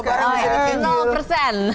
semua barang bisa dicicil